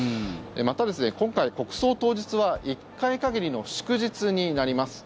また今回、国葬当日は１回限りの祝日になります。